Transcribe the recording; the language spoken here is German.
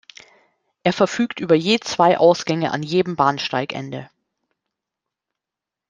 Er verfügt über je zwei Ausgänge an jedem Bahnsteigende.